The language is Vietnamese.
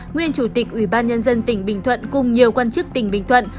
nguyên chủ tịch ủy ban nhân dân tỉnh bình thuận cùng nhiều quan chức tỉnh bình thuận